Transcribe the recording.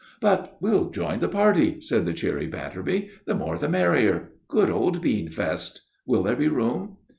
"But we'll join the party," said the cheery Batterby. "The more the merrier good old bean feast! Will there be room?"